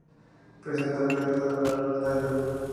Presenta pelos a lo largo del tallo.